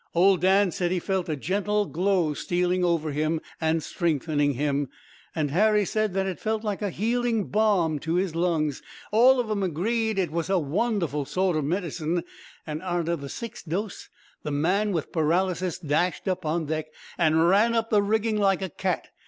Old Dan said he felt a gentle glow stealing over him and strengthening him, and Harry said that it felt like a healing balm to his lungs. All of 'em agreed it was a wonderful sort o' medicine, an' arter the sixth dose the man with paralysis dashed up on deck, and ran up the rigging like a cat.